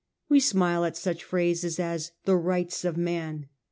We smile at such phrases as ' the rights of man.